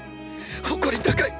誇り高い！